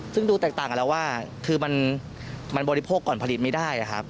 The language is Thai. ซึ่งดูแตกต่างกันแล้วว่าคือมันบริโภคก่อนผลิตไม่ได้ครับ